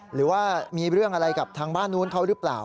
หรือว่ามีเรื่องอะไรกับทางบ้านนู้นเขาหรือเปล่า